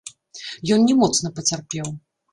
Ён не моцна пацярпеў.